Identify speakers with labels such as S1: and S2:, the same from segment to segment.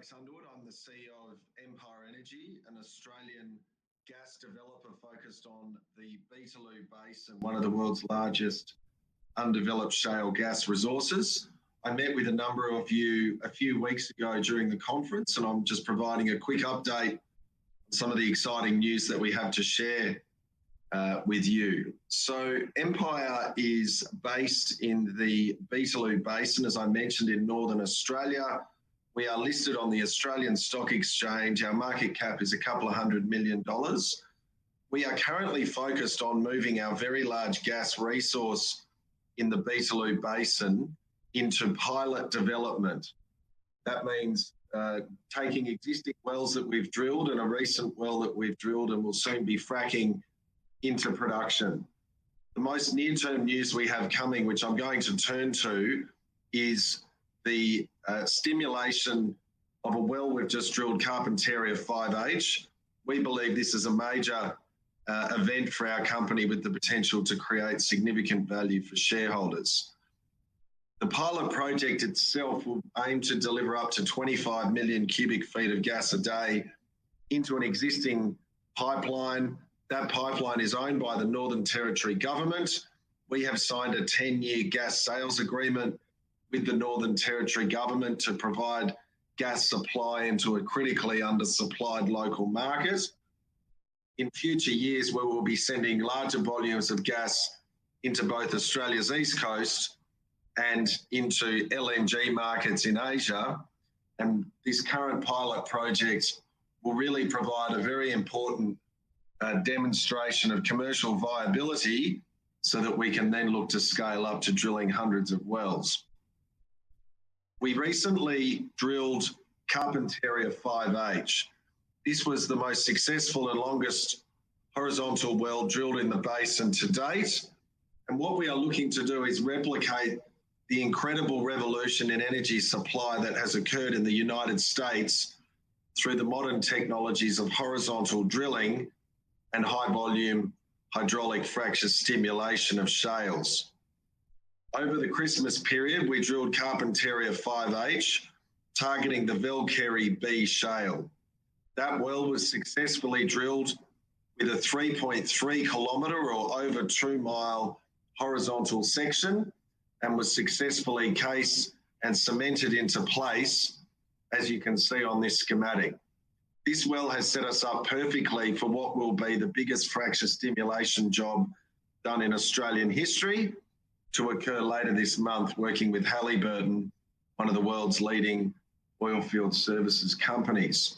S1: Hello, everyone. My name's Alex Underwood. I'm the CEO of Empire Energy an Australian gas developer focused on the Beetaloo Basin, one of the world's largest undeveloped shale gas resources. I met with a number of you a few weeks ago during the conference, and I'm just providing a quick update on some of the exciting news that we have to share with you. Empire is based in the Beetaloo Basin, and as I mentioned, in Northern Australia, we are listed on the Australian Stock Exchange. Our market cap is a couple of hundred million Australian dollars. We are currently focused on moving our very large gas resource in the Beetaloo Basin into pilot development. That means taking existing wells that we've drilled and a recent well that we've drilled and will soon be fracking into production. The most near-term news we have coming, which I'm going to turn to, is the stimulation of a well we've just drilled, Carpentaria 5H. We believe this is a major event for our company with the potential to create significant value for shareholders. The pilot project itself will aim to deliver up to 25 million cubic feet of gas a day into an existing pipeline. That pipeline is owned by the Northern Territory Government. We have signed a 10-year gas sales agreement with the Northern Territory Government to provide gas supply into a critically undersupplied local market. In future years, we will be sending larger volumes of gas into both Australia's East Coast and into LNG markets in Asia. These current pilot projects will really provide a very important demonstration of commercial viability so that we can then look to scale up to drilling hundreds of wells. We recently drilled Carpentaria 5H. This was the most successful and longest horizontal well drilled in the basin to date. What we are looking to do is replicate the incredible revolution in energy supply that has occurred in the United States through the modern technologies of horizontal drilling and high-volume hydraulic fracture stimulation of shales. Over the Christmas period, we drilled Carpentaria 5H, targeting the Velkerri B Shale. That well was successfully drilled with a 3.3 km or over 2 mile horizontal section and was successfully cased and cemented into place, as you can see on this schematic. This well has set us up perfectly for what will be the biggest fracture stimulation job done in Australian history to occur later this month, working with Halliburton, one of the world's leading oilfield services companies.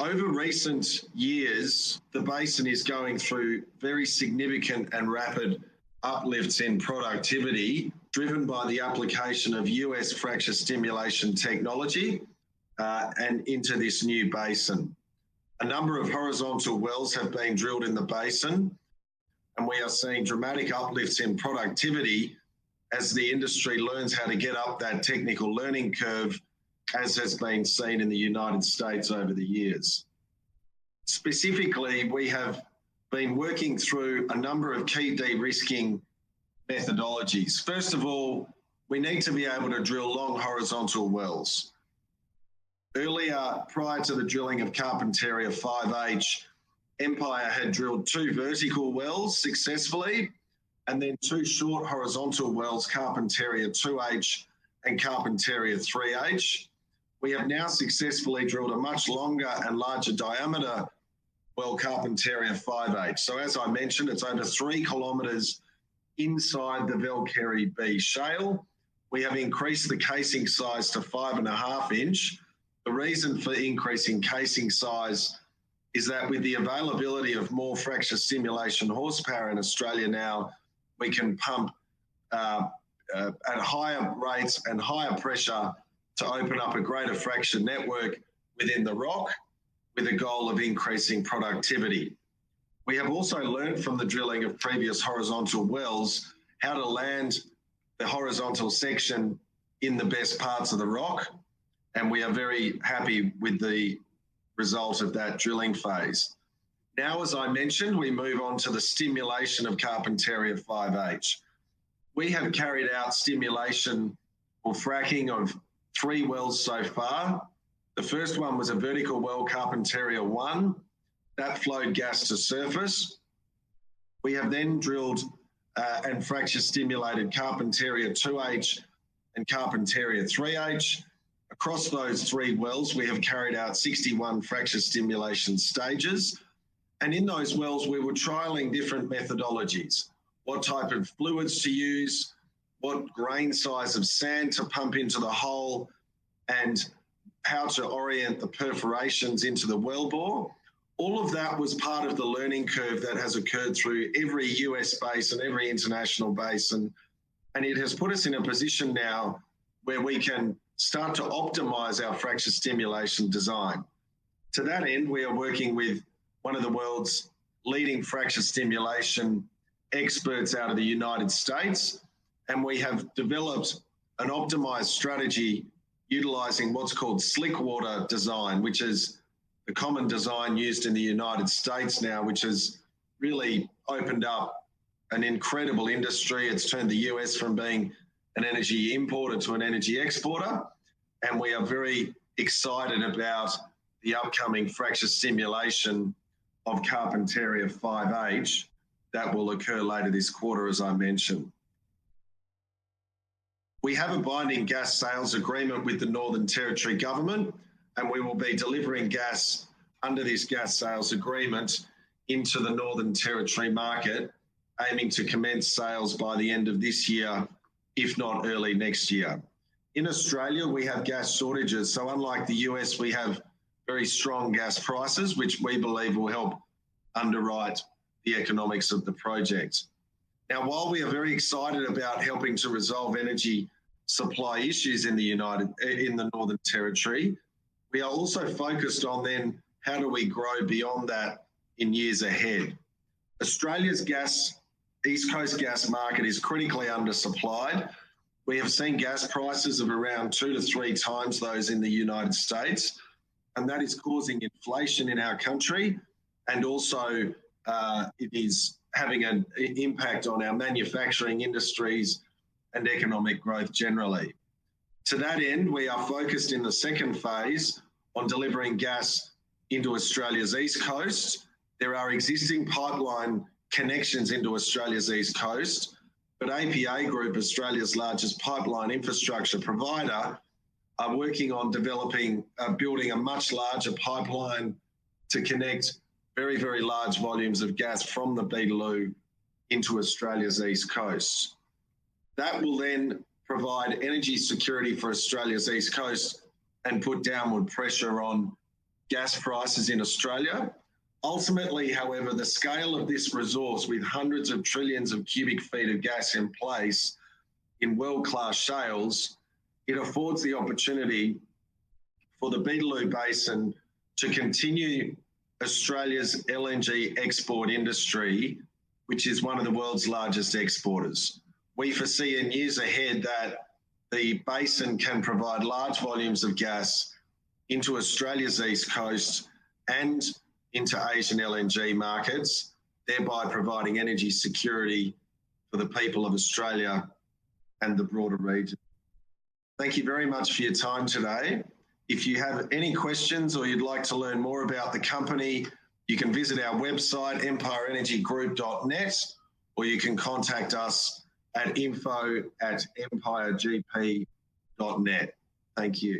S1: Over recent years, the basin is going through very significant and rapid uplifts in productivity driven by the application of US fracture stimulation technology and into this new basin. A number of horizontal wells have been drilled in the basin, and we are seeing dramatic uplifts in productivity as the industry learns how to get up that technical learning curve, as has been seen in the United States over the years. Specifically, we have been working through a number of key de-risking methodologies. First of all, we need to be able to drill long horizontal wells. Earlier, prior to the drilling of Carpentaria 5H, Empire Energy had drilled two vertical wells successfully and then two short horizontal wells, Carpentaria 2H and Carpentaria 3H. We have now successfully drilled a much longer and larger diameter well, Carpentaria 5H. As I mentioned, it is over 3 km inside the Velkerri B Shale. We have increased the casing size to 5.5 inches. The reason for increasing casing size is that with the availability of more fracture stimulation horsepower in Australia now, we can pump at higher rates and higher pressure to open up a greater fracture network within the rock with a goal of increasing productivity. We have also learned from the drilling of previous horizontal wells how to land the horizontal section in the best parts of the rock, and we are very happy with the result of that drilling phase. Now, as I mentioned, we move on to the stimulation of Carpentaria 5H. We have carried out stimulation or fracking of three wells so far. The first one was a vertical well, Carpentaria 1. That flowed gas to surface. We have then drilled and fracture stimulated Carpentaria 2H and Carpentaria 3H. Across those three wells, we have carried out 61 fracture stimulation stages. In those wells, we were trialling different methodologies: what type of fluids to use, what grain size of sand to pump into the hole, and how to orient the perforations into the wellbore. All of that was part of the learning curve that has occurred through every US basin and every international basin, and it has put us in a position now where we can start to optimize our fracture stimulation design. To that end, we are working with one of the world's leading fracture stimulation experts out of the United States, and we have developed an optimized strategy utilizing what's called slickwater design, which is a common design used in the United States now, which has really opened up an incredible industry. It's turned the U.S. from being an energy importer to an energy exporter, and we are very excited about the upcoming fracture stimulation of Carpentaria 5H that will occur later this quarter, as I mentioned. We have a binding gas sales agreement with the Northern Territory Government, and we will be delivering gas under this gas sales agreement into the Northern Territory market, aiming to commence sales by the end of this year, if not early next year. In Australia, we have gas shortages, so unlike the U.S., we have very strong gas prices, which we believe will help underwrite the economics of the project. Now, while we are very excited about helping to resolve energy supply issues in the Northern Territory, we are also focused on then how do we grow beyond that in years ahead. Australia's gas, East Coast gas market, is critically undersupplied. We have seen gas prices of around two to three times those in the United States, and that is causing inflation in our country, and also it is having an impact on our manufacturing industries and economic growth generally. To that end, we are focused in the second phase on delivering gas into the Australian East Coast. There are existing pipeline connections into the Australian East Coast, but APA Group, Australia's largest pipeline infrastructure provider, are working on developing, building a much larger pipeline to connect very, very large volumes of gas from the Beetaloo into the Australian East Coast. That will then provide energy security for the Australian East Coast and put downward pressure on gas prices in Australia. Ultimately, however, the scale of this resource with hundreds of trillions of cubic feet of gas in place in world-class shales, it affords the opportunity for the Beetaloo Basin to continue Australia's LNG export industry, which is one of the world's largest exporters. We foresee in years ahead that the basin can provide large volumes of gas into Australia's East Coast and into Asian LNG markets, thereby providing energy security for the people of Australia and the broader region. Thank you very much for your time today. If you have any questions or you'd like to learn more about the company, you can visit our website, empireenergygroup.com.au, or you can contact us at info@empireenergygroup.com.au. Thank you.